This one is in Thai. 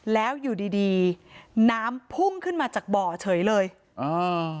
แล้วอยู่ดีดีน้ำพุ่งขึ้นมาจากบ่อเฉยเลยอ่า